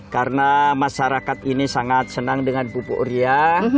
karena masyarakat ini sangat senang dengan pupuk uria